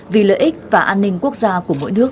vì lợi ích và an ninh quốc gia của mỗi nước